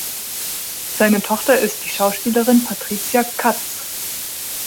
Seine Tochter ist die Schauspielerin Patricia Cutts.